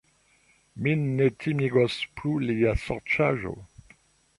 Min ne timigos plu lia sorĉaĵo!